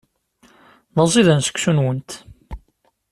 D aẓidan seksu-nwent.